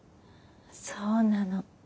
そうなの。